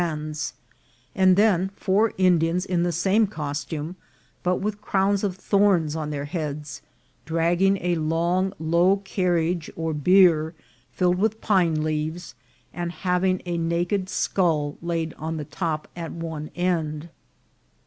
hands, and then four Indians in the same costume, but with crowns of thorns on their heads, dragging a long low carriage or bier filled with pine leaves, and having a naked scull laid on the top at one end.